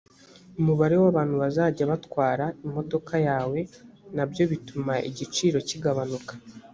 umubare w abantu bazajya batwara imodoka yawe nabyo bituma igiciro cyigabanuka